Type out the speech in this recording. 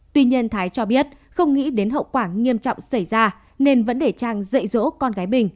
tuy nhiên thái cho biết không nghĩ đến hậu quả nghiêm trọng xảy ra nên vẫn để trang dạy dỗ con gái bình